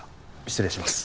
失礼します。